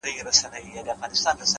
نیک عمل د وجدان سکون زیاتوي.!